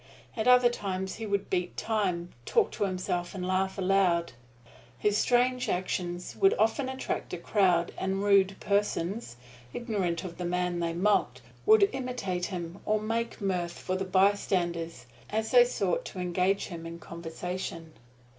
At other times he would beat time, talk to himself and laugh aloud. His strange actions would often attract a crowd, and rude persons, ignorant of the man they mocked, would imitate him or make mirth for the bystanders, as they sought to engage him in conversation.